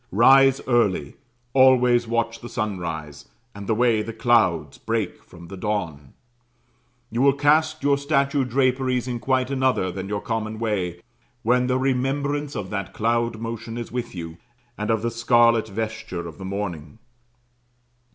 Rise early, always watch the sunrise, and the way the clouds break from the dawn; you will cast your statue draperies in quite another than your common way, when the remembrance of that cloud motion is with you, and of the scarlet vesture of the morning.